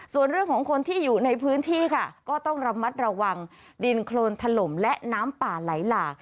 ส่วนเรื่องของคนที่อยู่ในพื้นที่ค่ะก็ต้องระมัดระวังดินโครนถล่มและน้ำป่าไหลหลาก